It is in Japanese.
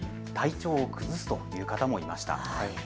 体調を崩すという方もいました。